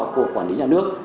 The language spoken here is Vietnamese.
của quản lý nhà nước